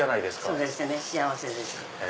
そうですね幸せです。